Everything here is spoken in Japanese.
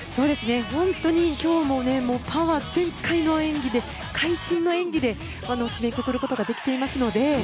本当に今日もパワー全開の演技で会心の演技で締めくくることができていますので。